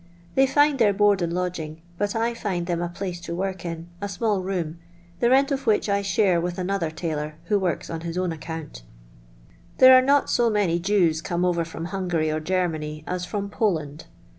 They find their board and lodging but I find them a place to work in, a small room, the rent of which I share with another tailor, who works on his own account There are not so many Jews come over from Hungary or Germany as from Poland.